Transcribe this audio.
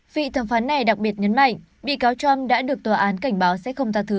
vị thẩm phán này đặc biệt nhấn mạnh bị cáo trump đã được tòa án cảnh báo sẽ không ra thứ